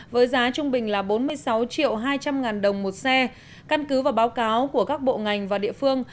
với giá trung bình là bốn mươi sáu triệu hai trăm linh ngàn đồng một xe căn cứ vào báo cáo của các bộ ngành và địa phương